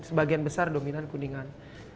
sebagian besar dominan kuningan